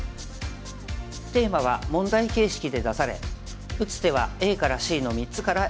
テーマは問題形式で出され打つ手はＡからＣの３つから選んで頂きます。